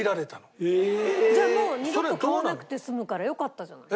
じゃあもう二度と買わなくて済むからよかったじゃない。